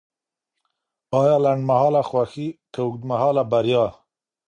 ایا لنډمهاله خوښي که اوږدمهاله بریا؟